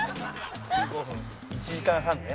「１時間半ね」